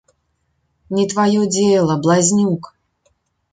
Не тваё дзела, блазнюк!